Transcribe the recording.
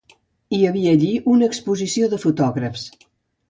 Hi havia allí una exposició de fotògrafs.